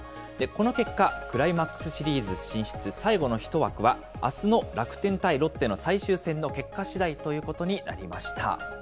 この結果、クライマックスシリーズ進出最後の１枠は、あすの楽天対ロッテの最終戦の結果しだいということになりました。